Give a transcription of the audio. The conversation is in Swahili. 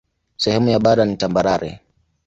Sehemu ya bara ni tambarare.